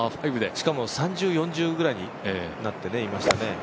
しかも３０、４０ぐらいになっていましたね。